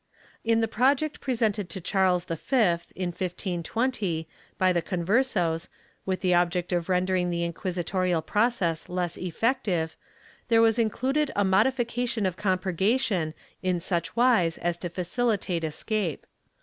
In the project presented to Charles V, in 1520, by the Conversos, with the object of rendering the inquisitorial process less effective, there was included a modification of compurgation in such wise as to facilitate escape.